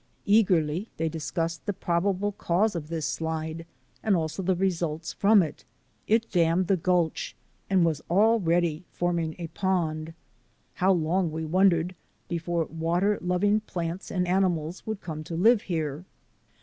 Eagerly they discussed the probable causes of this slide and also the results from it. It dammed the gulch and was already forming a pond. How long, we wondered, before water loving plants and ani mals would come to live here.